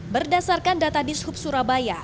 berdasarkan data di sup surabaya